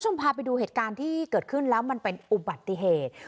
พาไปดูเหตุการณ์ที่เกิดขึ้นแล้วมันเป็นอุบัติเหตุ